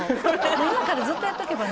今からずっとやっとけばね